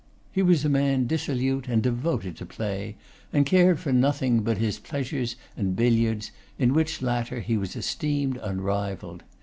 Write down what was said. He was a man dissolute and devoted to play; and cared for nothing much but his pleasures and billiards, in which latter he was esteemed unrivalled.